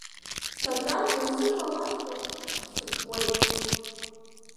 Сатәамбо исывалаҵәҟьоугь ахьсырхәуеит.